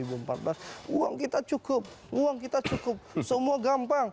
uang kita cukup uang kita cukup semua gampang